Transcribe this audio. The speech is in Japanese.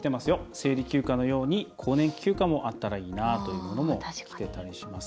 生理休暇のように更年期休暇もあったらいいなというのもきていたりします。